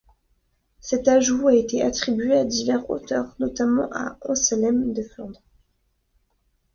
Cet ajout a été attribué à divers auteurs, notamment à Anselme de Flandres.